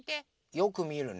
よくみるの。